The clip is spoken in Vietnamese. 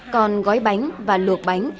còn gói bánh và luộc bánh